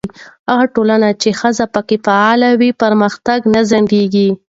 هغه ټولنه چې ښځې پکې فعاله وي، پرمختګ نه ځنډېږي.